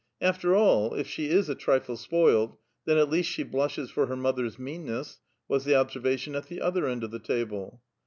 '•After all, if she is a trifle spoiled, then at least she blushes for her mother's meanness," was the observation at the oth<T end of the table.